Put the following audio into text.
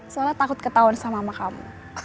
malah takut ketahuan sama mama kamu